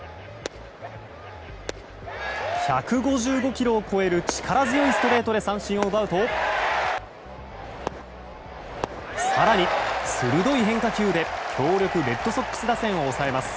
１５５キロを超える力強いストレートで三振を奪うと更に鋭い変化球で強力レッドソックス打線を抑えます。